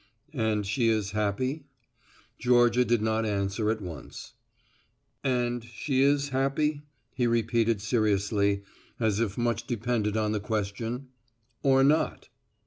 "And she is happy?" Georgia did not answer at once. "And she is happy," he repeated seriously, as if much depended on the question, "or not?"